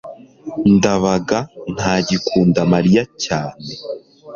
ndabaga ntagikunda mariya cyane